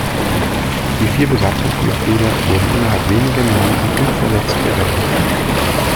Die vier Besatzungsmitglieder wurden innerhalb weniger Minuten unverletzt gerettet.